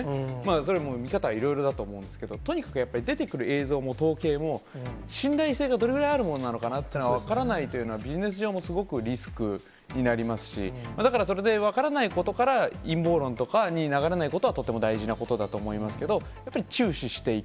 それはもう、見方いろいろだと思うんですけど、とにかくやっぱり、出てくる映像も統計も、信頼性がどれぐらいあるものなのかなっていうのは、分からないというのは、ビジネス上もすごくリスクになりますし、だからそれで分からないことから、陰謀論とかに流れないことはとっても大事なことだと思いますけど、やっぱり注視していく。